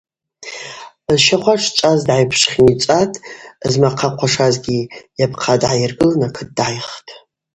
Зщахва шӏчӏваз дгӏайтшпхьницӏатӏ, змахъа хъвашазгьи йапхъа дгӏайыргылын акыт дгӏайхтӏ.